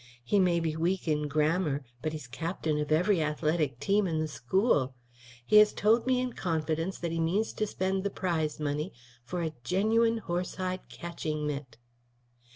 He may be weak in grammar, but he is captain of every athletic team in the school. He has told me in confidence that he means to spend the prize money for a genuine horse hide catching mitt."